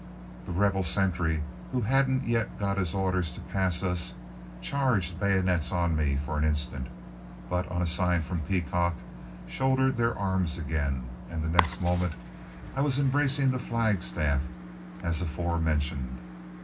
The rebel sentry, who hadn't yet got his orders to pass us, charged bayonets on me for an instant, but, on a sign from Peacock, shouldered arms again; and the next moment I was embracing the flag staff, as afore mentioned.